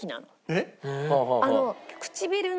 えっ？